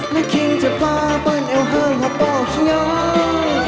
และคิดจะฟ้าเป็นเอาห้องหับบอกอย่าง